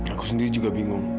aku sendiri juga bingung